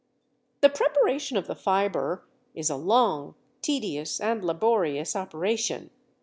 The preparation of the fibre is a long, tedious, and laborious operation.